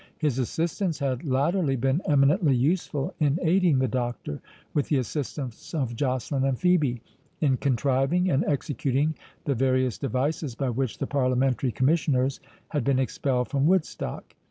His assistance had latterly been eminently useful in aiding the Doctor, with the assistance of Joceline and Phœbe, in contriving and executing the various devices by which the Parliamentary Commissioners had been expelled from Woodstock.